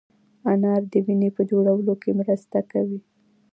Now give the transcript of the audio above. انار د وینې په جوړولو کې مرسته کوي.